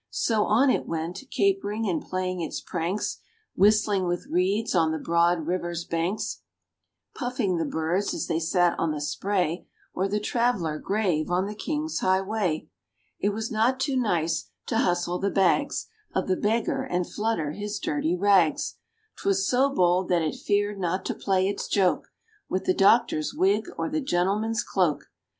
So on it went, capering and playing its pranks; Whistling with reeds on the broad river's banks; Puffing the birds as they sat on the spray, Or the traveller grave on the king's highway. It was not too nice to hustle the bags Of the beggar, and flutter his dirty rags; 'Twas so bold that it feared not to play its joke With the doctor's wig, or the gentleman's cloak.